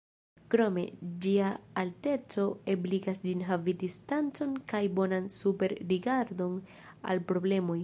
Krome, ĝia alteco ebligas ĝin havi distancon kaj bonan superrigardon al problemoj.